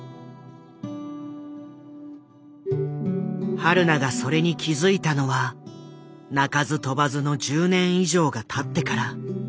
はるながそれに気付いたのは鳴かず飛ばずの１０年以上がたってから。